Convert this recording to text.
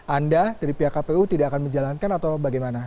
anda dari pihak kpu tidak akan menjalankan atau bagaimana